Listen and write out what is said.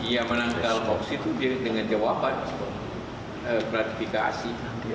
yang menangkal hoaks itu dengan jawaban gratifikasi